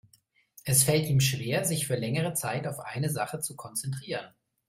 Es fällt ihm schwer, sich für längere Zeit auf eine Sache zu konzentrieren.